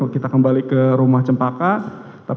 kita kembali ke rumah cempaka